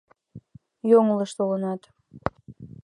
Йоҥылыш толынат.